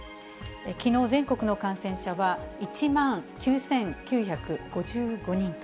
きのう全国の感染者は１万９９５５人と。